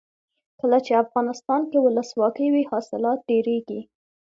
کله چې افغانستان کې ولسواکي وي حاصلات ډیریږي.